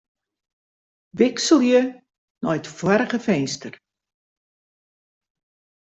Wikselje nei it foarige finster.